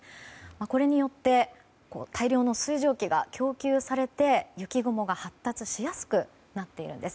これによって大量の水蒸気が供給されて雪雲が発達しやすくなっているんです。